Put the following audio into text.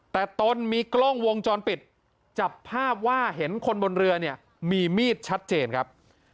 แต่ตนมีกล้องวงจรปิดจับภาพว่าเห็นคนบนเรือเนี่ยมีมีดชัดเจนครับ